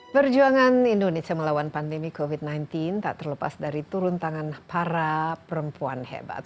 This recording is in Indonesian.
perjuangan indonesia melawan pandemi covid sembilan belas tak terlepas dari turun tangan para perempuan hebat